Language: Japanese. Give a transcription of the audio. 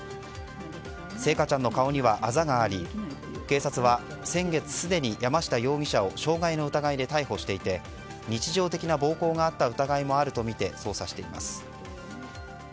星華ちゃんの顔にはあざがあり警察は先月すでに山下容疑者を傷害の疑いで逮捕していて日常的な暴行があった疑いもあるとみて捜査しています。